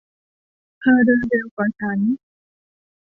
เธอเดินเร็วกว่าฉัน